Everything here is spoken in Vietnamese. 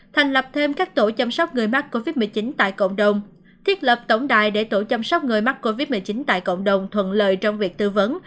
thành lập thêm các tổ chăm sóc người mắc covid một mươi chín tại cộng đồng thiết lập tổng đài để tổ chăm sóc người mắc covid một mươi chín tại cộng đồng thuận lợi trong việc tư vấn